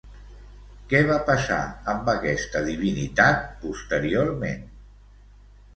Què va passar amb aquesta divinitat posteriorment?